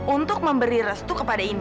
untuk memberi restu kepada ini